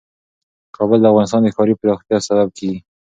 کابل د افغانستان د ښاري پراختیا سبب کېږي.